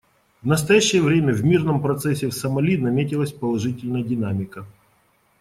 В настоящее время в мирном процессе в Сомали наметилась положительная динамика.